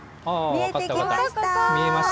見えてきました。